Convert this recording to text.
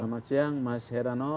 selamat siang mas herano